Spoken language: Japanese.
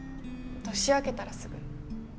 年明けたらすぐ。